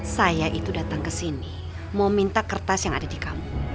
saya itu datang ke sini mau minta kertas yang ada di kamu